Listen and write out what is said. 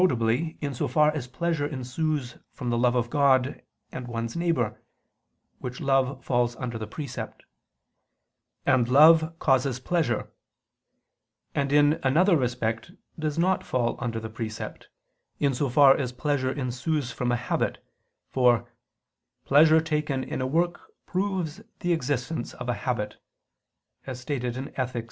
in so far as pleasure ensues from the love of God and one's neighbor (which love falls under the precept), and love causes pleasure: and in another respect does not fall under the precept, in so far as pleasure ensues from a habit; for "pleasure taken in a work proves the existence of a habit," as stated in _Ethic.